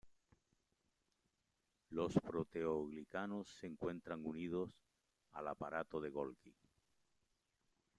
Los proteoglicanos se encuentran unidos al aparato de golgi.